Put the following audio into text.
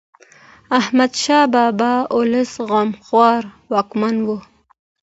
احمد شاه بابا د ولس غمخوار واکمن و.